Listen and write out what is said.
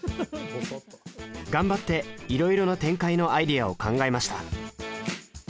頑張っていろいろな展開のアイデアを考えました。